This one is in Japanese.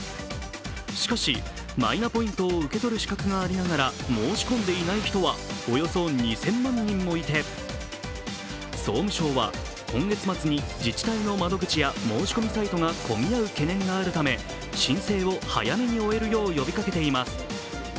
しかし、マイナポイントを受け取る資格がありながら申し込んでいない人はおよそ２０００万人もいて総務省は今月末に自治体の窓口や申し込みサイトが混み合う懸念があるため申請を早めに終えるよう呼びかけています。